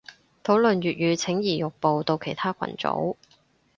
討論粵語請移玉步到其他群組